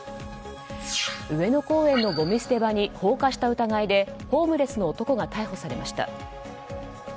上野公園のごみ捨て場に放火した疑いでホームレスの男が逮捕されました。